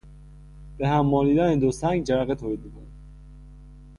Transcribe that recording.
به هم مالیدن دو سنگ جرقه تولید میکند.